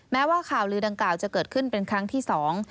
แม้ว่าข่าวลือดังกล่าวจะเกิดขึ้นเป็นครั้งที่สอง